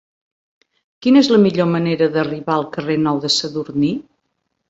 Quina és la millor manera d'arribar al carrer Nou de Sadurní?